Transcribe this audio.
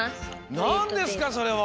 なんですかそれは！